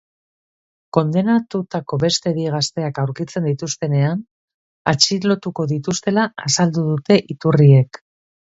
Kondenatutako beste bi gazteak aurkitzen dituztenean atxilotuko dituztela azaldu dute iturriek.